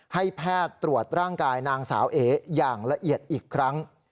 ให้แพทย์ตรวจร่างกายนางสาวเออย่างละเอียดอีกครั้ง